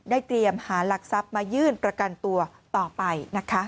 เตรียมหาหลักทรัพย์มายื่นประกันตัวต่อไปนะคะ